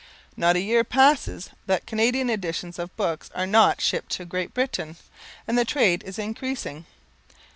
Not a year passes that Canadian editions of books are not shipped to Great Britain, and the trade is increasing.